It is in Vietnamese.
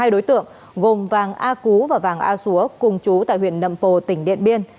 hai đối tượng gồm vàng a cú và vàng a súa cùng chú tại huyện nậm pồ tỉnh điện biên